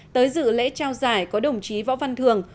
tới dự lễ trao giải có đồng chí võ văn thường